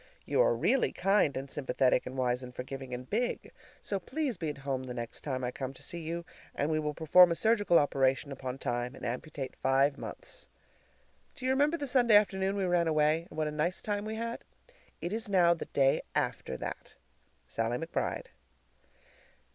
You are really kind and sympathetic and wise and forgiving and big, so please be at home the next time I come to see you, and we will perform a surgical operation upon Time and amputate five months. Do you remember the Sunday afternoon we ran away, and what a nice time we had? It is now the day after that. SALLIE McBRIDE.